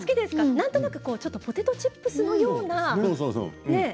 なんとなくポテトチップスのような。